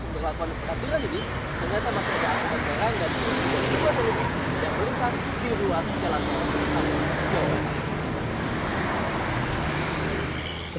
ternyata masih ada angkutan barang dan truk tiga sumbu yang melintas di ruas jalan tol